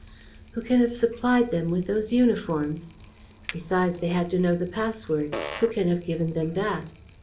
"Who can have supplied them with those uniforms? Besides, they had to know the password: who can have given them that?